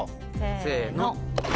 せの。